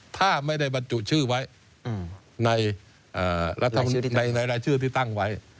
ถ้าไม่ได้บรรจุชื่อไว้ในรายชื่อที่ตั้งไว้